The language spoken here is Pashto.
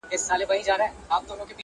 ډېر ویل د قران ښه دي -